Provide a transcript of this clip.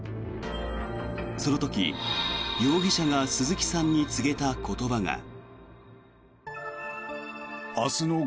その時、容疑者が鈴木さんに告げた言葉が。